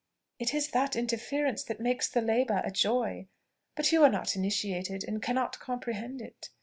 "It is that interference that makes the labour a joy. But you are not initiated, and cannot comprehend it.